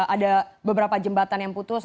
ada beberapa jembatan yang putus